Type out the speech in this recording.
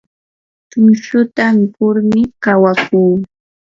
tumshuta mikurmi kawakuu.